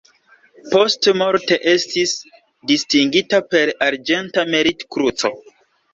Postmorte estis distingita per Arĝenta Merit-Kruco.